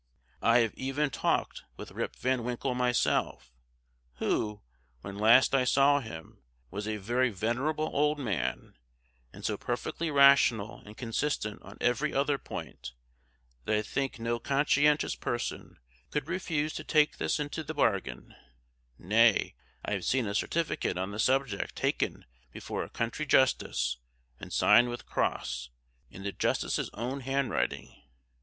I have even talked with Rip Van Winkle myself, who, when last I saw him, was a very venerable old man, and so perfectly rational and consistent on every other point, that I think no conscientious person could refuse to take this into the bargain; nay, I have seen a certificate on the subject taken before a country justice, and signed with cross, in the justice's own handwriting.